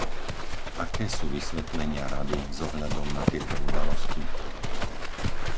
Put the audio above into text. Aké sú vysvetlenia Rady s ohľadom na tieto udalosti?